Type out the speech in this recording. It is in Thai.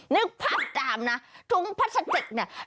นึกภาพตามนะถุงพลาสติกเนี่ย